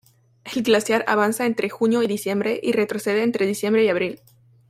El glaciar avanza entre junio y diciembre y retrocede entre diciembre y abril.